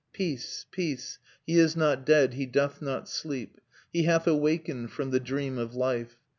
Peace, peace! he is not dead, he doth not sleep! He hath awakened from the dream of life.